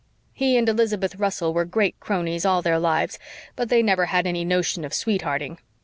He and Elizabeth Russell were great cronies, all their lives, but they never had any notion of sweet hearting.